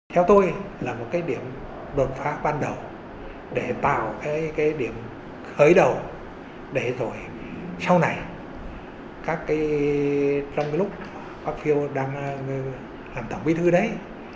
theo tôi là một cái điểm đột phá ban đầu để tạo cái điểm khởi đầu để rồi sau này trong cái lúc các phiêu đang làm tổng bí thư đấy